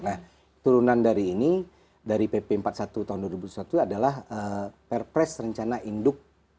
nah turunan dari ini dari pp empat puluh satu tahun dua ribu dua puluh satu adalah perpres rencana induk